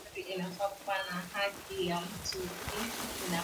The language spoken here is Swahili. Bukali njo kya kurya kya bantu ya katanga